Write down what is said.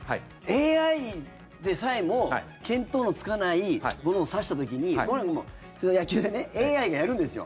ＡＩでさえも見当のつかないものを指した時に野球でＡＩがやるんですよ。